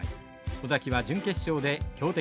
尾崎は準決勝で強敵